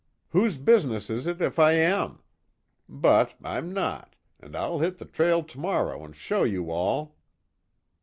Whose business is it if I am? But, I'm not, and I'll hit the trail tomorrow and show you all!"